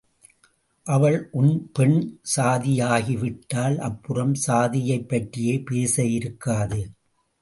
அவள் உன் பெண் சாதியாகிவிட்டால் அப்புறம் சாதியைப் பற்றியே பேச இருக்காது.